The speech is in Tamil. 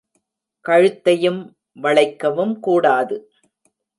கழுத்தையும் வளைக்கவும் கூடாது.